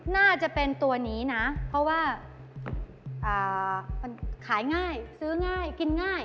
น่าจะเป็นตัวนี้นะเพราะว่ามันขายง่ายซื้อง่ายกินง่าย